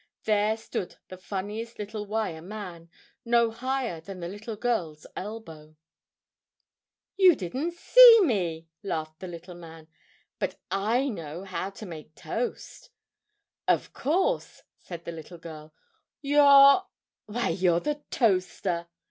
There stood the funniest little wire man, no higher than the little girl's elbow. [Illustration: "And I!"] [Illustration: "And I!"] "You didn't see me," laughed the little man, "but I know how to make toast." "Of course!" said the little girl, "you're why, you're the Toaster!"